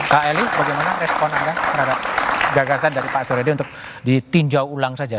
pak eli bagaimana respon anda terhadap gagasan dari pak suryadi untuk ditinjau ulang saja